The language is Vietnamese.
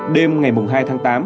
đêm ngày hai tháng tám